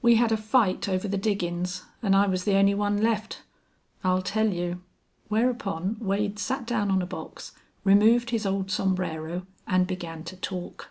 "We hed a fight over the diggin's an' I was the only one left. I'll tell you...." Whereupon Wade sat down on a box, removed his old sombrero, and began to talk.